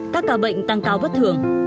các ca bệnh tăng cao bất thường